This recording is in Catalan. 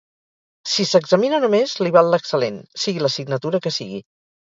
Si s'examina només li val l'excel.lent, sigui l'assignatura que sigui.